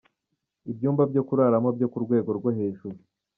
Ibyumba byo kuraramo byo ku rwego rwo hejuru ,.